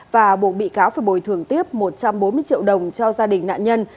và buộc bị cáo phải bồi thường tiếp một trăm bốn mươi triệu đồng cho gia đình nạn nhân